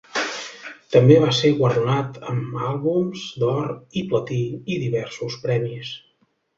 També va ser guardonat amb àlbums d'or i platí i diversos premis.